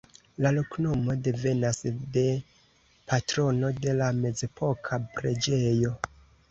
La loknomo devenas de patrono de la mezepoka preĝejo.